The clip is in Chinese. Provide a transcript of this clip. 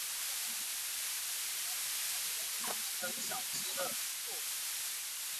这些因基的变异也许有助于了解为何某些膀膀胱癌长得比较快。